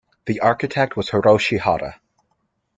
The architect was Hiroshi Hara.